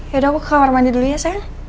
yaudah aku ke kamar mandi dulu ya sayang